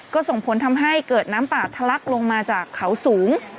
ก็ส่งผลทำให้เกิดน้ำป่าทะลักลงมาจากเขาสูง